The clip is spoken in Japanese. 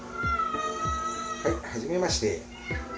はい、はじめまして。